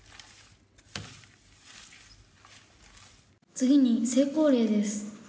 「次に成功例です。